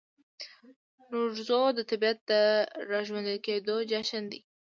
نوروز د طبیعت د راژوندي کیدو جشن دی.